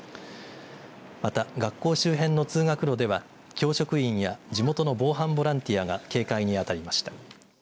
また学校周辺の通学路では教職員や地元の防犯ボランティアが警戒にあたりました。